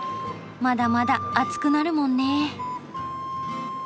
まだまだ暑くなるもんね。